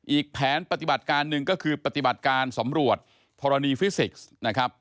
อีกแผนปฏิบัติการหนึ่งก็คือปฏิบัติการสำรวจธรณีฟิสิกส์นะครับ